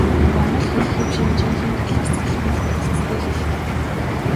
Монгол хэл хэв шинжийнхээ талаас залгамал бүтэцтэй хэл.